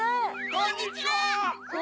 ・こんにちは！